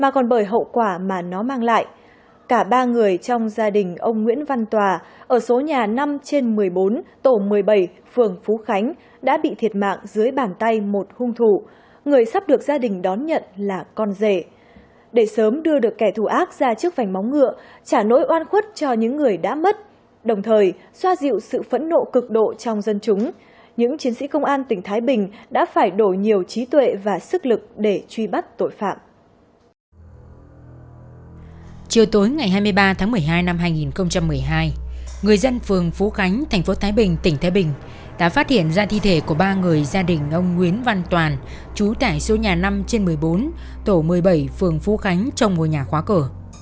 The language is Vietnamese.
chưa tối ngày hai mươi ba tháng một mươi hai năm hai nghìn một mươi hai người dân phường phú khánh thành phố thái bình tỉnh thái bình đã phát hiện ra thi thể của ba người gia đình ông nguyễn văn toàn chú tải số nhà năm trên một mươi bốn tổ một mươi bảy phường phú khánh trong ngôi nhà khóa cờ